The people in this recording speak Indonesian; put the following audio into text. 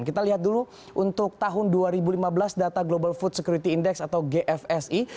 kita lihat dulu untuk tahun dua ribu lima belas data global food security index atau gfsi